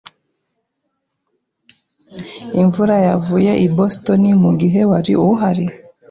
Imvura yaguye i Boston mugihe wari uhari?